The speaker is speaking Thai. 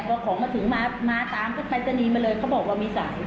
พอของมาถึงมาตามก็ไปตรงนี้มาเลยเขาบอกว่ามีสาย